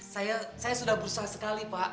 saya sudah berusaha sekali pak